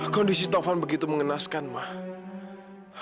kondisi taufan begitu mengenaskan mah